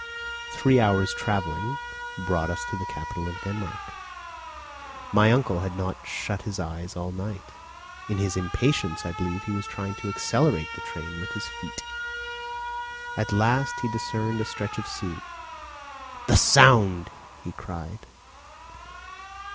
Three hours' travelling brought us to the capital of Denmark. My uncle had not shut his eyes all night. In his impatience I believe he was trying to accelerate the train with his feet. At last he discerned a stretch of sea. "The Sound!" he cried.